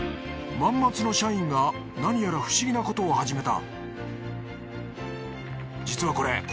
万松の社員が何やら不思議なことを始めた。